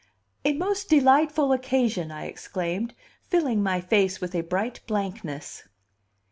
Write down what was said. "A most delightful occasion!" I exclaimed, filling my face with a bright blankness.